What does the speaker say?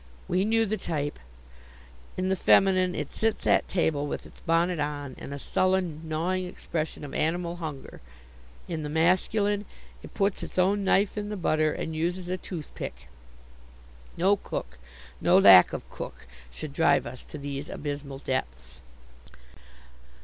We knew the type; in the feminine, it sits at table with its bonnet on, and a sullen gnawing expression of animal hunger; in the masculine, it puts its own knife in the butter, and uses a toothpick. No cook no lack of cook should drive us to these abysmal depths.